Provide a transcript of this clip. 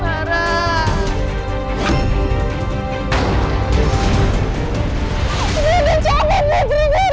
kamu udah meninggal